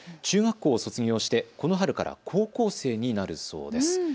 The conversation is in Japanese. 中学校を卒業してこの春から高校生になるそうです。